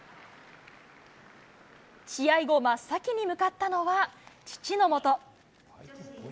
試合後、真っ先に向かったのは、父のもと。